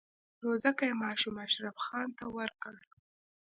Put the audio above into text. نو ځکه يې ماشوم اشرف خان ته ورکړ.